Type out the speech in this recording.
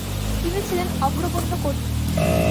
তিনি ছিলেন অগ্রগণ্য কর্মী।